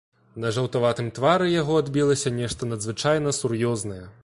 На жаўтаватым твары яго адбілася нешта надзвычайна сур'ёзнае.